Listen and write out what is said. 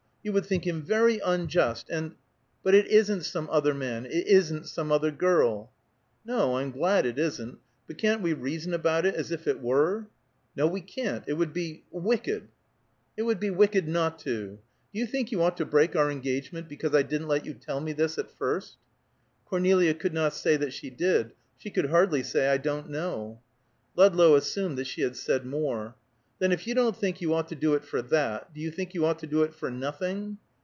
You would think him very unjust and " "But it isn't some other man; it isn't some other girl!" "No, I'm glad it isn't. But can't we reason about it as if it were?" "No, we can't. It would be wicked." "It would be wicked not to. Do you think you ought to break our engagement because I didn't let you tell me this at first?" Cornelia could not say that she did; she could hardly say, "I don't know." Ludlow assumed that she had said more. "Then if you don't think you ought to do it for that, do you think you ought to do it for nothing?"